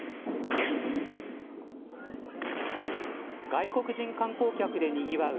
外国人観光客でにぎわう